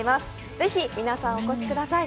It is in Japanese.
ぜひ皆さんお越しください。